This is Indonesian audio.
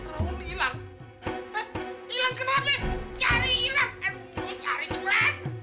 raun ini ilang eh ilang kenapa cari ilang eh cari jembat